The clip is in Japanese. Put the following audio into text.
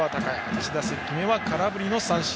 １打席目は空振りの三振。